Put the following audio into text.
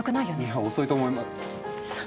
いや遅いと思いま。